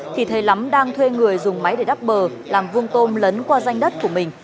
thì thấy lắm đang thuê người dùng máy để đắp bờ làm vuông tôm lấn qua danh đất của mình